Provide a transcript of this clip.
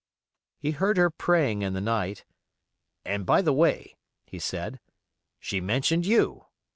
He heard her praying in the night, "and, by the way," he said, "she mentioned you.